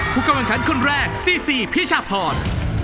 ผู้กำลังขันคนแรกซีซีพิชาพร